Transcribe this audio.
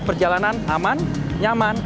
perjalanan aman nyaman